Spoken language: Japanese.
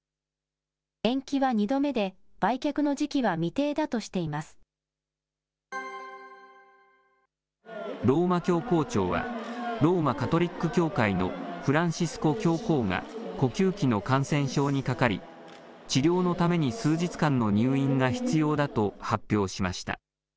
延期は２度目で、売却の時期は未ローマ教皇庁は、ローマ・カトリック教会のフランシスコ教皇が呼吸器の感染症にかかり、治療のために数日間の入院が必要だと発表しました。